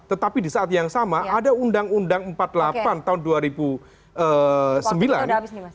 tetapi di saat yang sama ada undang undang empat puluh delapan tahun dua ribu sembilan